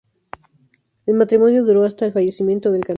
El matrimonio duró hasta el fallecimiento del cantante.